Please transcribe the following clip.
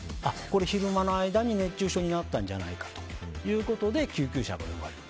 昼間の間に熱中症になったんじゃないかということで救急車が呼ばれる。